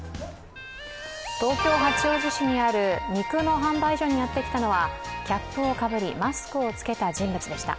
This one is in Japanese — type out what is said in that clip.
東京・八王子市にある肉の販売所にやってきたのは、キャップをかぶり、マスクを着けた人物でした。